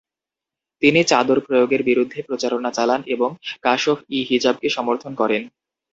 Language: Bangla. তিনি চাদর প্রয়োগের বিরুদ্ধে প্রচারণা চালান এবং কাশফ-ই হিজাবকে সমর্থন করেন।